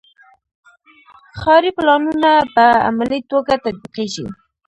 ښاري پلانونه په عملي توګه تطبیقیږي.